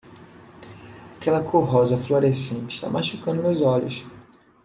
Aquela cor rosa fluorescente está machucando meus olhos.